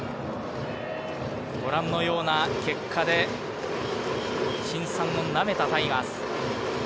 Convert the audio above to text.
ご覧のような結果で辛酸をなめたタイガース。